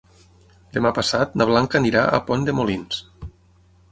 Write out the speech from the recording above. Demà passat na Blanca anirà a Pont de Molins.